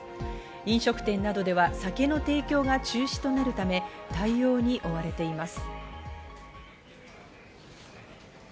飲食店などでは酒の提供が中止となるため、対応に追われています。